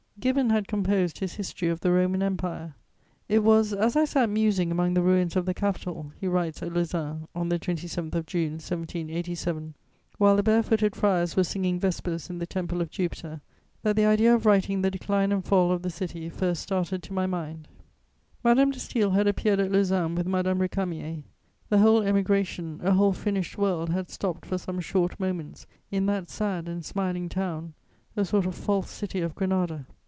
Gibbon had composed his History of the Roman Empire: "It was ... as I sat musing among the ruins of the Capitol," he writes at Lausanne, on the 27th of June 1787, "while the barefooted friars were singing vespers in the temple of Jupiter, that the idea of writing the decline and fall of the city first started to my mind." [Sidenote: Death of Madame de Custine.] Madame de Staël had appeared at Lausanne with Madame Récamier. The whole Emigration, a whole finished world had stopped for some short moments in that sad and smiling town, a sort of false city of Granada.